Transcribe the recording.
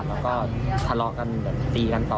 แล้วก็ทะเลาะกันแบบตีกันต่อ